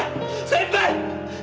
先輩！